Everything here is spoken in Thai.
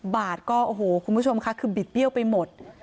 บาทก็โอ้โหคุณผู้ชมค่ะคือบิดเบี้ยวไปหมด